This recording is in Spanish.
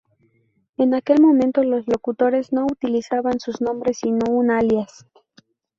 En aquel momento los locutores no utilizaban sus nombres sino un alias.